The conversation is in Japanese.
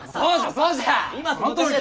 そうじゃそうじゃ。